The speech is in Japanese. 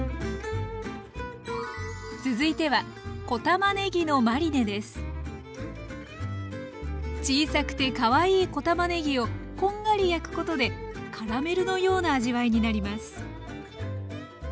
続いては小さくてかわいい小たまねぎをこんがり焼くことでカラメルのような味わいになります。